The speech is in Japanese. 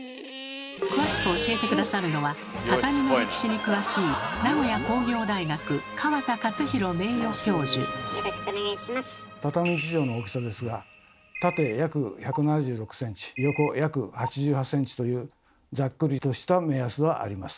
詳しく教えて下さるのは畳の歴史に詳しい畳１畳の大きさですが縦約１７６ｃｍ横約８８ｃｍというざっくりとした目安はあります。